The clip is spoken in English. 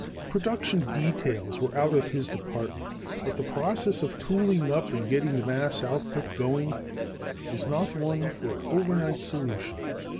Production details were out of his department, but the process of tooling up and getting mass output going was not one for overnight solution.